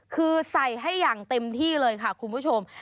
คือใส่ให้อย่างเต็มที่เลยค่ะคุณผู้ชม